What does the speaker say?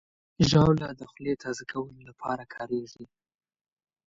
ژاوله د خولې تازه کولو لپاره کارېږي.